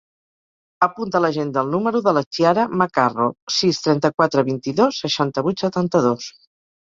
Apunta a l'agenda el número de la Chiara Macarro: sis, trenta-quatre, vint-i-dos, seixanta-vuit, setanta-dos.